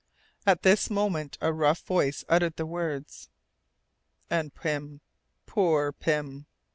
At this moment a rough voice uttered the words: "And Pym poor Pym!"